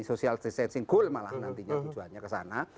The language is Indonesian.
social distancing goal malah nantinya tujuannya kesana